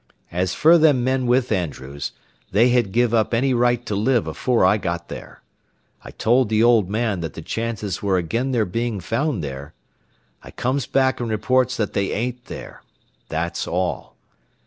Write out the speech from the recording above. As fer them men with Andrews, they had give up any right to live afore I got there. I told the old man that the chances were agin their bein' found there. I comes back and reports that they ain't there. That's all.